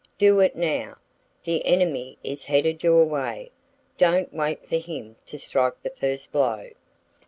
Do it NOW! The enemy is headed your way. Don't wait for him to strike the first blow!